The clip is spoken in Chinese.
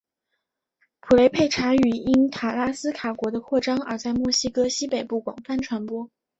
普雷佩查语因塔拉斯卡国的扩张而在墨西哥西北部广泛传播。